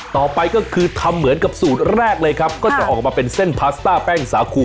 ต่อไปก็คือทำเหมือนกับสูตรแรกเลยครับก็จะออกมาเป็นเส้นพาสต้าแป้งสาคู